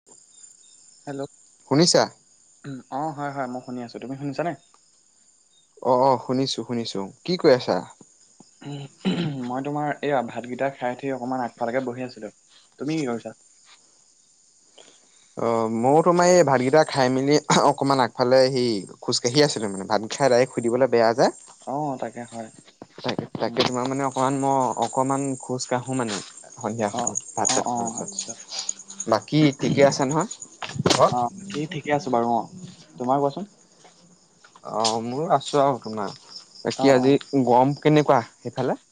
[inaudible] Hello শুনিছা? অ, হয়, হয় মই শুনি আছো, তুমি শুনিছানে? অ, শুনিছো শুনিছো, কি কৰি আছা? উম, মই তোমাৰ এই ভাতকেইটা খাই উঠি অকনমান আগফালেকে বহি আছিলো, তুমি কি কৰিছা? অ, মইও তোমাৰ এই ভাতকেইটা খাই মেলি অকমান আগফালে আহি খোজকাঢ়ি আছিলো মানে, ভাত খাই ডাইৰেক্ট শুই দিবলে বেয়া যে। অঁ তাকে হয় [inaudible] তাকে, উম তাকে উম তোমাৰ মানে অকমান মই অকমান খোজ কাঢ়ো মানে। সন্ধিয়া অঁ সময়ত ভাত অঁ চাত অঁ খোৱাৰ আচ্ছা পিছত, বাকী ঠিকে আছা নহয়? ঘৰত? অ, কি ঠিকে আছো বাৰু অ, তোমাৰ কোৱাচোন? অ, মোৰ আছো আও তোমাৰ, অঁ বাকী অঁ আজি গৰম কেনেকুৱা সেইফালে?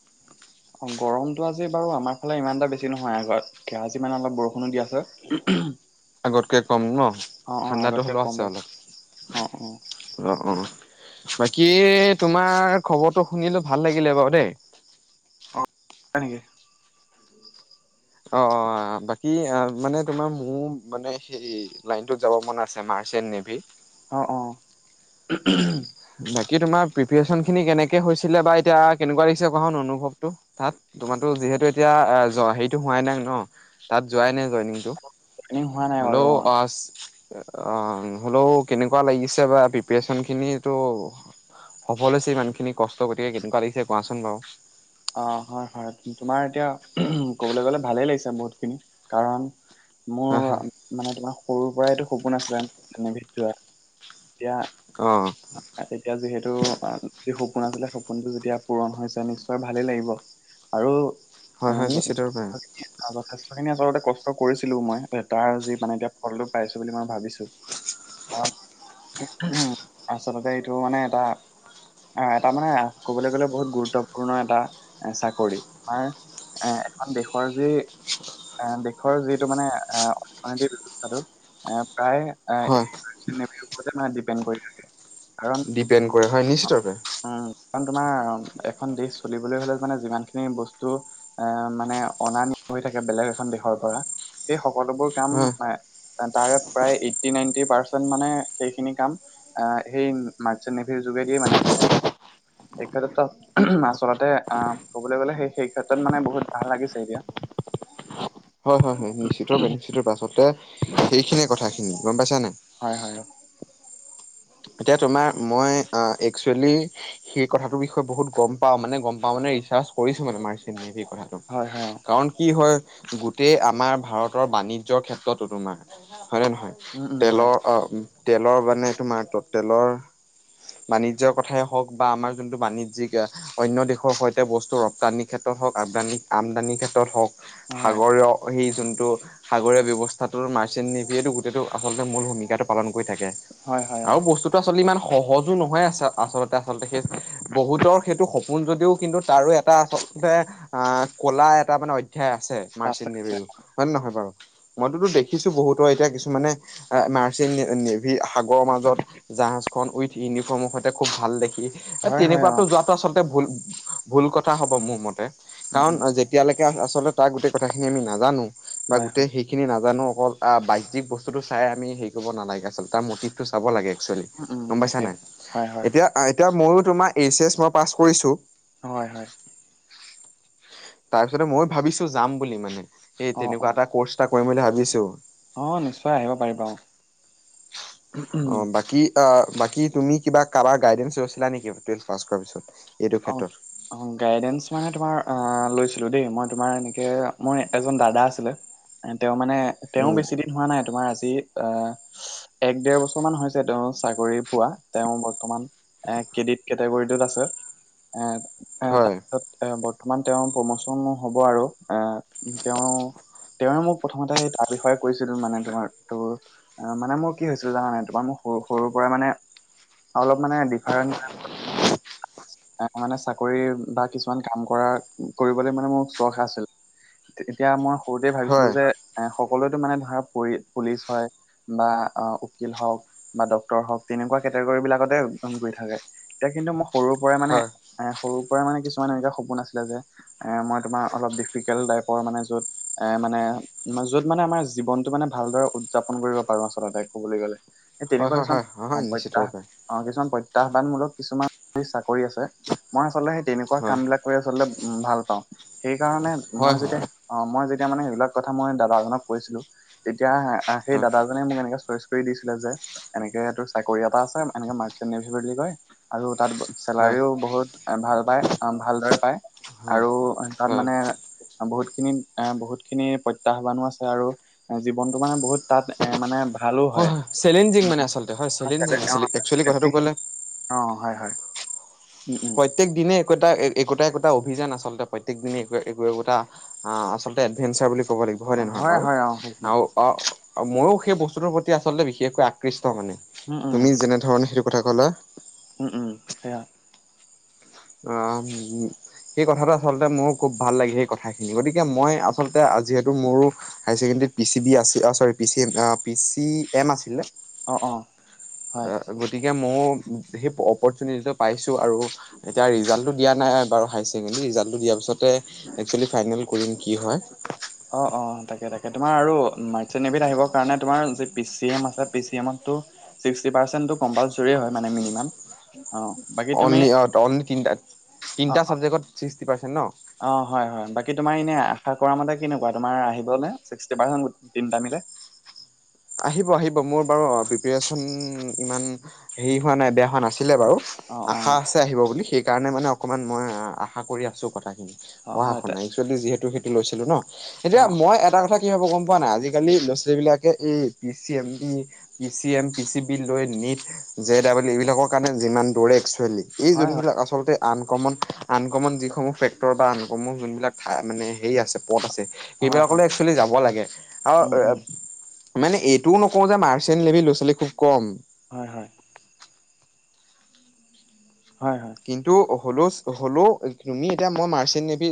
অ, গৰমটো আজি বাৰু আমাৰ ফালে ইমান এটা বেছি নহয় আগত কে আজি মানে অলপ বৰষুণো দি আছে। আগতকে কম ন? অঁ অঁ ঠাণ্ডাটো আগতকে হ'লেও কম আছে বাৰু অলপ। অঁ অঁ অ, অ বাকী তোমাৰ খবৰটো শুনিলো ভাল লাগিলে বাৰু দেই। অঁ হয় নেকি? অঁ অঁ বাকি আ মানে তোমাৰ মোৰ মানে সেই লাইনটো যাব মন আছে মাৰ্চেণ্ট নেভি। অঁ অঁ [unintelligible] বাকী তোমাৰ প্ৰিপেৰেচন খিনি কেনেকে হৈছিলে বা এতিয়া কেনেকুৱা লাগিছে কখন অনুভৱটো তাত? তোমাৰটো যিহেতু এতিয়া হেৰিটো হোৱাই নাই ন তাত যোৱাই নাই জইনিংটো? প্লেনিং হোৱা নাই বাৰু হলও অঁ ৱাচ অঁ হ'লেও কেনেকুৱা লাগিছে বা প্ৰিপেৰেচনখিনিত ত সফল হৈছে ইমানখিনি কষ্ট গতিকে কেনেকুৱা লাগিছে কোৱাচোন বাৰু। অ হয় হয়, তোমাৰ এতিয়া ক'বলৈ গলে ভালেই লাগিছে বহুতখিনি, কাৰণ হয় মোৰ হয় মানে তোমাৰ সৰুৰ পৰাই এইটো সপোন আছিলে নেভিত যোৱা। এতিয়া অ এতিয়া যিহেতু অ যি সপোন আছিলে সপোনটো যেতিয়া পূৰণ হৈছে নিশ্চয় ভালেই লাগিব আৰু হয় হয় নিশ্চিতৰূপে যথেষ্টখিনি আচলতে কষ্ট কৰিছিলো মই, তাৰ যি মানে এতিয়া ফলটো পাইছো বুলি মই ভাবিছো। কাৰন আচলতে এইটো মানে এটা অ এটা মানে ক'বলৈ গ'লে বহুত গুৰুত্ব পূৰ্ণ এটা চাকৰি, আমাৰ এ এখন দেশৰ যি এ দেশৰ যিটো মানে অ অৰ্থনৈতিক ব্যৱস্থাটো প্ৰায় হয় এই মাৰ্চেণ্ট নেভিৰ ওপৰতে মানে ডিপেণ্ড কৰি থাকে। কাৰণ ডিপেণ্ড কৰে হয় অ নিশ্চিতৰূপে উম কাৰণ তোমাৰ এখন দেশ চলিবলৈ হ'লে মানে যিমানখিনি বস্তু এ মানে অনা নিয়া হৈ থাকে বেলেগ এখন দেশৰ পৰা সেই সকলোবোৰ কাম হয় এ তাৰে প্ৰায় এইটটি নাইনটি পাৰ্চেন্ট মানে সেইখিনি কাম এ সেই মাৰ্চেণ্ট নেভিৰ যোগেদিয়ে মানে হৈ থাকে, সেই ক্ষেত্ৰতো [unintelligible] আচলতে অ ক'বলৈ গ'লে সেই সেই ক্ষেত্ৰত মানে বহুত ভাল লাগিছে এতিয়া। হয় হয় হয় নিশ্চিত ৰূপে নিশ্চিত ৰূপে আচলতে সেইখিনিয়ে কথাখিনি, গম পাইছা নাই? হয় হয়। এতিয়া তোমাৰ মই একচুৱেলি- সেই কথাটোৰ বিষয়ে বহুত গম পাওঁ মানে গম পাওঁ মানে ৰিচাৰ্চ কৰিছো মানে মাৰ্চ সেই কথা- হয় হয়, অ। কাৰণ, কি হয় গোটেই আমাৰ ভাৰতৰ বাণিজ্যয়ৰ ক্ষেত্ৰতো তোমাৰ হয় নে নহয়। উম উম হয় তেলৰ অ তেলৰ মানে তোমাৰ ত তেলৰ- বাণিজ্যৰ কথাই হওক বা আমাৰ যোনটো বাণিজ্যিকা- অন্য দেশৰ সৈতে বস্তু ৰপ্তানিৰ ক্ষেত্ৰত হওক আমদানি আমদানিৰ ক্ষেত্ৰত হওক। হয়, সাগৰীয় সেই যোনটো- সাগৰীয় ব্যৱস্থাটো মাৰ্চেন নিভিয়েতো গোটেইটো আচলতে মূল ভূমিকাটো পালন কৰি থাকে। হয় হয়। অ', আৰু বস্তুটো আচল ইমান সহজো নহয় আচলতে আচলতে বহুতৰ সেইটো- কোন যদিও কিন্তু তাৰো এটা কলা এটা মানে অধ্যায় আছে। মাৰচিন আছে, আছে, নিৱেও। হয়ে নহয় বাৰু মইতোতো দেখিছো বহুতৰ এতিয়া কিছুমানে নাৰচিন- সাগৰৰ মাজত উম, জাহাজ খন উইথ ইউনিফৰ্মৰ সৈতে খুব ভাল দেখি এ হয়, হয় তেনেকুৱাতো অ', যোৱা- আচলতে ভূল কথা হ'ব মোৰ মতে- উম, উম, এতিয়ালৈকে আচলতে তাৰ গোটেই কথাখিনি আমি নাজানো বা হয়, হয়, গোটেই শেই- সেইখিনি নাজানো অকল বাহ্যিক বস্তুটো চাই আমি হেৰি কৰিব নালাগে আচলতে তাৰ মটিভটো চাব লাগে। চে উম, উম, গম পাইছা তাকে, নাই হয়, হয়, এতিয়া এতিয়া মইয়ো তোমাৰ এইচ এচ মই পাছ কৰিছো- হয় হয়। তাৰ পিছতে মই ভাবিছো যাম বুলি মানে এই তেনেকুৱা এটা কৰ্চ- টা কৰিম বুলি ভাবিছো। অঁ নিশ্চয় আহিব পাৰিব অঁ। অঁ বাকি অ বাকী তুমি কিবা কাবা গাইডেন্ঞ্চ লৈছিলা নেকি টুৱেল পাছ কৰাৰ পিছত। এইটো অঁ ক্ষেত্ৰত অঁ গাইডেন্ঞ্চ মানে তোমাৰ আহ লৈছিলো দেই মই তোমাৰ- গে ময় এজন দাদা আছিলে তেওঁ মানে তেওঁ উম বেছি দি- হোৱা নাই তোমাৰ আজি আহ- এক দেৰ বছৰ মান হৈছে তেওঁ চাকৰি পোৱা তেওঁ বৰ্তমান- এঁ কেডট কেটেগৰীটোত আছে এঁ হয় তাৰপিছত- এ বৰ্তমান তেওঁৰ প্ৰমোচনো হব আৰু এ তেওঁ- তেওঁৱে মোক প্ৰথমতে সেই তাৰ বিষয়ে কৈছিল মানে তোমাৰ তোৰ- অঁ মানে মোৰ কি হৈছিল জানানাই তোমাৰ মোৰ সৰু সৰুৰ পৰা মানে অলপ মানে ডিফাৰেন- এ মানে চাকৰি বা কিছুমান কাম কৰা কৰিবলৈ মানে মোৰ চখ আছিল। এতিয়া মই সৰুতে ভাবিছিলো হয় যে এ সকলোৱতো মানে ধৰা পুলিচ হয়। বা উকিল হওক বা ডক্তৰ হওক তেনেকুৱা কেটেগৰী বিলাকতে গৈ থাকে। এতিয়া কিন্তু মই সৰুৰ পৰাই মানে হয় এঁ সৰুৰ পৰাই মানে কিছুমান এনেকুৱা সপোন আছিলে যে, এঁ মই তোমাৰ অলপ ডিফিকাল্ট টাইপৰ মানে য'ত এঁ মানে- যত মানে আমাৰ জীৱনটো মানে ভালদৰে উদযাপন কৰিব পাৰো আচলতে কবলৈ গ'লে। সে হয় তেনেকুৱা হয় কিছুমান হয় হয় হয় নিশ্চিত সমপ্ৰট্যাহ‌। ৰূপে অঁ কিছুমান প্ৰত্যাহ্বানমূলক কিছুমান চাকৰি আছে মই আচলতে সেই তেনেকুৱা হয় কাম বিলাক- কৰি আচলতে ভাল পাওঁ সেইকাৰণে মই হয় হয় যেতিয়া- অঁ মই যেতিয়া মানে সেইবিলাক কথা মই দাদাজনক কৈছিলো তেতিয়া সেই হয় দাদাজনে মোক এনেকে চৈছ- কৰি দিছিলে যে, এনেকে টো চাকৰি এটা আছে এনেকে মাৰ্চেণ্ নভি বুলি কয় আৰু তাত হয় হয় চেলাৰিও ব- বহুত ভাল পায়, অ ভালদৰে পায় হয় আৰু তাত হয় মানে বহুত খিনিত এ বহুত খিনি প্ৰত্যাহ্বানো আছে আৰু জীৱনটো মানে বহুত তাত এ মানে ভালো হয়। চেলেঞ্জিং উম মানে আচলতে হয় চেলিঞ্জিং একচুৱেলি কথাটো উম ক'লে অ হয় হয়। উ অ প্ৰত্যেক দিনে একোটা একোটা একোটা অভিযান আচলতে প্ৰত্যেক দিনে একো একোটা হ আচলতে এডভেঞ্চাৰ বুলি ক'ব লাগিব হয়নে নহয় হয় বাৰু। হয় অ সেইখিনি আও অ ময়ো সেই বস্তুটোৰ প্ৰতি আচলতে বিশেষকৈ আকৃষ্ট মানে। উম তুমি যেনে ধৰণে সেইটো কথা ক'লা উ উ সেয়া অম সেই কথাটো আচলতে মোৰ খুব ভাল লাগে সেই কথাখিনি গতিকে মই আচলতে যিহেতু মোৰ হায় ছেকেণ্ডাৰীত পি চি বি আছি আ চৰি পি চি এম আছিলে। অ অ হয়। গতিকে মও সেই অপৰচুনিটিটো পাইছো আৰু এতিয়া ৰিজাল্টো দা নাই বাৰু হায়াৰ ছেকণ্ডেৰী ৰিজাল্টো দিয়াৰ পিছতে একচুৱেলি ফাইনেল কৰিম কি হয়। অ অ তাকে তাকে তোমাৰ আৰু মাৰ্চেণ্ট এবিধ আহিবৰ কাৰণে তোমাৰ যি পি চি এম আছে পি চি এমতটো ছিক্সটি পাৰ্চেটো কম্পালচৰি হয় মানে মিনিমাম অ বাকী তুমি অনলি অত অনলি তিটাত, অ তিনটা চাবজেক্টত ছিক্সটি পাৰ্চেণ্ট ন? অ হয় হয়। বাকী তোমাৰ এনে আশা কৰা মতে কেনেকুৱা তোমাৰ আহিবনে ছিক্সটি পাৰ্চেট তিনিটা মিলাই? আহিব আহিব মোৰ বাৰু প্ৰিপেৰেচন ইমান হেৰি হোৱা নাই বেয়া হোৱা নাছিলে বাৰু। অ অ আশা আছে আহিব বুলি সেইকাৰণে মানে অকমান মই আশা কৰি আছো কথাখিনি অ পঢ়া হয় তে শুনাই। জল্ডি যিহেতু সেইটো লৈছিলো ন এতিয়া অ মই এটা কথা কি ভাব গম পোৱা নাই আজিকালি ল'ৰা-ছোৱালীবিলাকে এই P C M, B P C M, P C B লৈ নিট জে ডাবোলি এইবিলাকৰ কাৰণে যিমান দৌৰে একচুৱেলি এই হয় হয় যোনবিলাক আচলতে আনকমন আনকমন যিসমূহ ফেক্টৰ বা আন কমন যোনবিলাকাই মানে হেৰি আছে পথ আছে। হয় সেইবিলাকলৈ হয় একচুৱেলি যাব লাগে আৰ অ উম উম এব মানে এইটোও নকওঁ যে মাৰ্চেণ্ট লেভি লো-ছোৱালী খুব কম হয় হয়। হয় হয়। কিন্তু হ'লেজ হ'লেও তুমি এতিয়া মই মাৰ্চেণ নেভি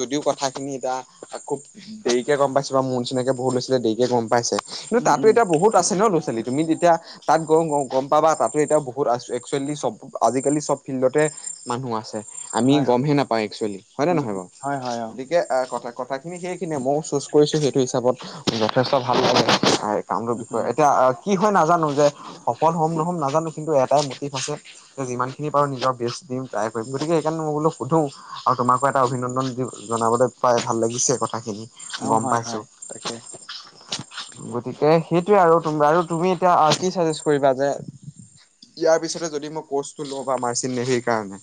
যদিও কথাখিনি ইতা আকৌব দেৰিকে গম পাইছো বা মোৰ নিচিনাকে বহুত ল'ৰা-ছোৱালীয়ে দেৰিকে গম পাইছে। কিন্তু উম তাতো উম এতিয়া বহুত আছে ন ল'ৰা-ছোৱালী তুমি তেতিয়া তাত গ গম পাবা তাতো এতিয়া বহুত আ একচুৱেলি চব আজিকালি চব ফিল্ডতে মানুহ আছে, আমি হয় হয় গমহে নাপাওঁ একচুৱেলি হয়নে উম নহয় উম বাৰু। হয় হয় অ গতি- কে আ কথা কথাখিনি সেইখিনিয়ে মই চুজ কৰিছো সেইটো হিচাপত যথেষ্ট ভাল লাগে। হাই- কামটোৰ উম বিষয়ে উম এতিয়া কি হয় নাজানো যে সফল হ'ম নহ'ম নাজানো কিন্তু এটাই মটিভ আছে যে যিমানখিনি বাৰু নিজৰ ব্যস্ত দিম, ট্ৰাই কৰিম। গতিকে সেইকাৰণে মই বোলো সোধোঁ আৰু তোমাকো এটা অভিনন্দন যি জনাবলৈ পাই ভাল লাগিছে কথাখিনি অ গম হয় হয় পাইছোঁ। তাকে গতিকে সেইটোয়ে আৰু আৰু তুমি এতিয়া কি চাজেষ্ট কৰিবা যে ইয়াৰ পিছতে যদি মই কৰ্চটো লওঁ বা মাৰ্চেন্ট নেভিৰ কাৰণে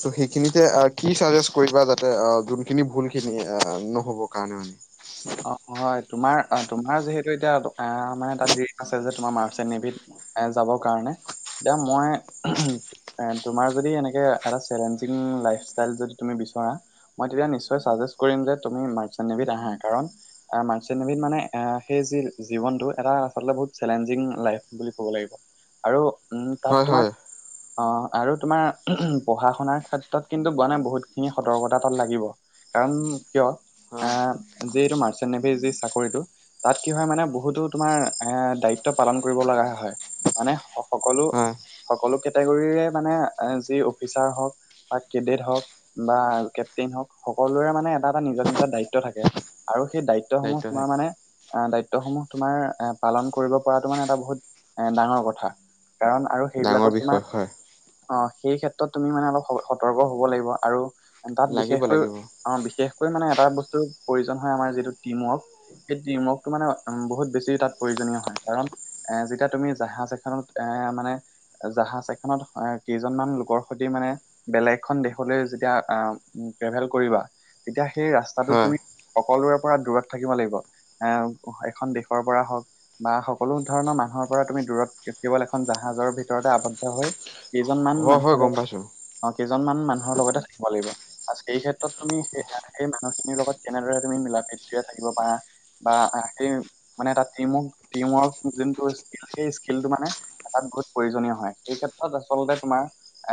ত' সেইখিনিতে কি চাজেষ্ট কৰিবা যাতে অ যোনখিনি ভুল খিনি নহ'ব কাৰণে মানে। [unintelligible] অ' হয় তোমাৰ অ তোমাৰ যিহেতু এতিয়া মানে তাত ড্ৰীম আছে যে তোমাৰ ম। মাৰ্চেন নেভিত এ যাবৰ কাৰণে এতিয়া মই। তোমাৰ যদি এনেকে এটা চেলেঞ্জিং লাইফ ষ্টাইল যদি তুমি বিচৰা। মই তেতিয়া নিশ্চয় চাজেষ্ট কৰিম যে তুমি মাৰ্চেন নেভিত আহা কাৰণ। মাৰ্চেন্ট নেভিত মানে সেই যি জীৱনটো এটা আচল বহুত চেলেঞ্জিং লাইফ বুলি ক'ব লাগিব। আৰু উম হয় তাত হয় তোমাৰ। অ' আৰু তোমাৰ পঢ়া শুনাৰ ক্ষেত্ৰত কিন্তু কোৱা নাই বহুতখিনি সতৰ্কতা তাত লাগিব। কাৰণ কিয়, হয় আহ যিটো মাৰ্চেন্ট নেভিৰ যি চাকৰিটো। তাত কি হয় মানে বহুতো তোমাৰ এ দায়িত্ব পালন কৰিব লগা হয় মানে। সকলো- হয় সকলো কেটেগৰীৰে মানে যি অফিচাৰ হওঁক। বা কেডেট হওক, বা কেপটেইন হওক সকলোৰে মানে এটা এ নিজৰ নিজৰ দায়িত্ব থাকে। আৰু সেই দায়িত্বসমূহ দায়িত্ব তোমাৰ থাকে মানে। দায়িত্বসমূহ তোমাৰ এ পালন কৰিব পৰাটো মানে এটা বহুত এ ডাঙৰ কথা। কাৰণ আৰু ডাঙৰ সেইবিলাকত তোমাৰ। বিষয় হয় অ' সেই ক্ষেত্ৰত তুমি মানে অলপ সতৰ্ক হ'ব লাগিব আৰু তাত লাগিব বিশেষকৈ। লাগিব অ' বিশেষকৈ মানে এটা বস্তুৰ প্ৰয়োজন হয় আমাৰ যিটো টিমৱৰ্ক। সেই টিমৱৰ্কটো মানে উ বহুত বেছি তাত প্ৰয়োজনীয় হয় কাৰণ। এ' যেতিয়া তুমি জাহাজ এখনত এ মানে। জাহাজ এখনত কেইজনমান লোকৰ সৈতে মানে। বেলেগ খন দেশলৈ যেতিয়া ট্ৰেভেল কৰিবা, তেতিয়া সেই ৰাস্তাটো হয় তুমি। সকলোৰে পৰা দূৰত থাকিব লাগিব, এ' এখন দেশৰ পৰা হওক। বা, সকলো ধৰণৰ মানুহৰ পৰা তুমি দূৰত কেৱল এখন জাহাজৰ ভিতৰতে আৱদ্ধ হৈ। কেইজনমান হয় হয় মানুহৰ গম লগত। পাইছো অ' কেইজনমান মানুহৰ লগতে থাকিব লাগিব আৰু সেই ক্ষেত্ৰত তুমি স সেই মানুহখিনিৰ লগত। কেনেদৰে তুমি মিলা প্ৰীতিৰে থাকিব পাৰা। বা, সেই মানে এটা টিম টিমৱৰ্ক যোনটো সেই স্কিলটো মানে। এটা বহুত প্ৰয়োজনীয় হয়, সেই ক্ষেত্ৰত আচলতে তোমাৰ।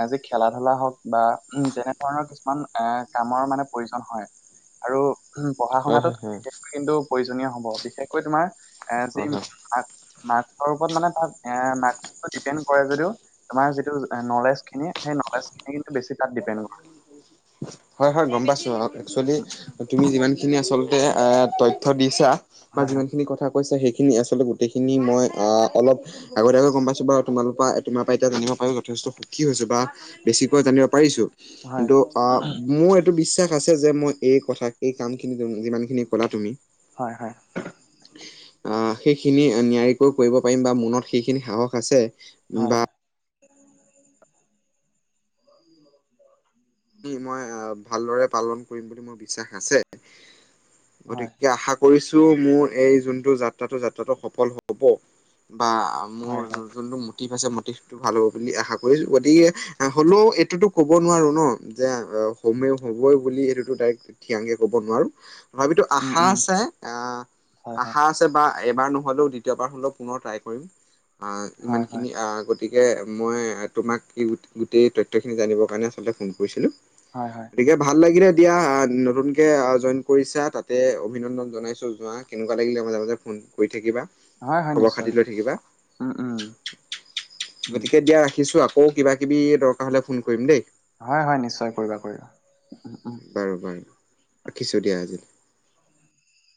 যি খেলা ধূলা হওক বা, উম তেনেধৰণৰ কিছুমান এ কামৰ মানে প্ৰয়োজন হয়। আৰু পঢ়া হয় শুনাটো হয় হয় বিশষ কিন্তু প্ৰয়োজনীয় হব, বিশেষকৈ তোমাৰ এ হয় য়ি। হয় মাস্কৰ ওপৰত মানে তাত এ' মাৰ্ক্সটো ডিপেণ্ড কৰে যদিও। তোমাৰ যিটো নলেজ খিনি, সেই নলেজ খিনি বেছি তাত ডিপেণ্ড কৰে। হয় হয় গম পাইছো, একচুৱেলি তুমি যিমান খিনি আচলতে এ তথ্য দিছা। বা, হয় যিমান খিনি কথা কৈছা সেইখিনি আচলতে গোটেইখিনি মই অ অলপ। আগতিয়াকৈ গম পাইছো বাৰু তোমাল তোমাৰ পৰা এতিয়া জানিব পাৰিব যথেষ্ট সুখী হৈছে বা। বেছিকৈ জানিব পাৰিছো, হয় কিন্তু আহ। মোৰ এইটো বিশ্বাস আছে যে, মই এই কথাখিনি, এই কামখিনি, যিমানখিনি ক'লা তুমি হয়-হয়। আহ, সেইখিনি নিয়াৰিকৈ কৰিব পাৰিম বা মনত সেইখিনি সাহস আছে। বা হয়-হয়। মই, ভালদৰে পালন কৰিম বুলি মোৰ বিশ্বাস আছে। হয় হয় গতিকে আশা কৰিছো, মোৰ এই যোনটো যাত্ৰাটো-যাত্ৰাটো সফল হ'ব বা হয় মোৰ হয় যোনটো। তিভ আছে মটিভটো ভাল হ'ব বুলি আশা কৰিছো। গতিকে, হ'লেও এইটোতো কব নোৱাৰো ন'। যে, হমে হ'বই বুলি সেইটোতো ডাইৰেক্ট, থিৰাং কে ক'ব নোৱাৰো। তথাপিতো উম আশা উম আছে, আহ, হয় হয় আশা আছে বা - এবাৰ নহ'লেও, দ্বিতীয়বাৰ হ'লেও পুনৰ ট্ৰাই কৰিম। অ হয় হয় ইমানখিনি অ গতি - গতিকে, মই তোমাক গোটেই তথ্যখিনি জানিবৰ কাৰণে আচলতে ফোন কৰিছিলো। হয় হয়। গতিকে ভাল লাগিলে দিয়া, নতুনকে জইন কৰিছা তাতে অভিনন্দন জনাইছো যোৱা - কেনেকুৱা লাগিলে, মাজে-মাজে ফোন কৰি থাকিবা। হয় হয় খবৰ নিশ্চয় খাতি লৈ থাকিবা। উম উম উম গতিকে দিয়া ৰাখিছো আক - আকৌ কিবাকিবি দৰকাৰ হ'লে, ফোন কৰিম দেই। হয় হয়, নিশ্চয় কৰিবা কৰিবা। উম উম বাৰু বাৰু, ৰাখিছোঁ দিয়া আজিলে।